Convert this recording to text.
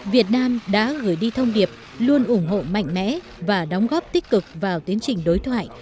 việt nam đã gửi đi thông điệp luôn ủng hộ mạnh mẽ và đóng góp tích cực vào tiến trình đối thoại